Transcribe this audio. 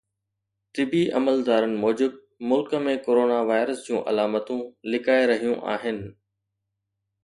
طبي عملدارن موجب ملڪ ۾ ڪورونا وائرس جون علامتون لڪائي رهيون آهن